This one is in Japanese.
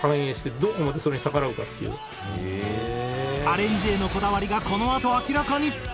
アレンジへのこだわりがこのあと明らかに。